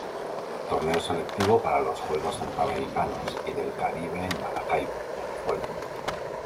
Torneo selectivo para los Juegos Centroamericanos y del Caribe en Maracaibo, Venezuela.